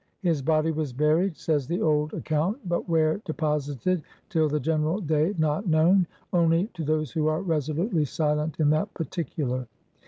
His body was buried, says the old ac count, "but where deposited till the Generall day not knowne, only to those who are resolutely silent in that particular."